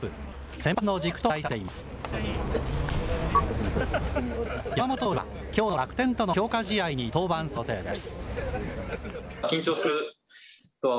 山本投手は、きょうの楽天との強化試合に登板する予定です。